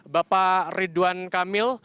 bapak ridwan kamil